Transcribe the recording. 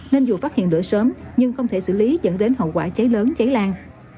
nên dù phát hiện lửa sớm nhưng không thể xử lý dẫn đến hậu quả cháy lớn cháy lan